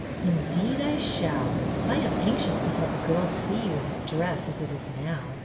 " Indeed I shall. I am anxious to have the girls see you in that dress as it is now.